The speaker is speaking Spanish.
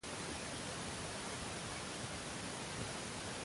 Hoy se encuentra en la comuna de Puente Alto.